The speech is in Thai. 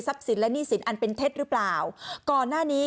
สินและหนี้สินอันเป็นเท็จหรือเปล่าก่อนหน้านี้